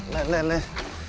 lên lên lên